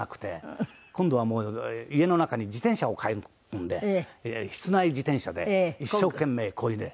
今度はもう家の中に自転車を買い込んで室内自転車で一生懸命こいで。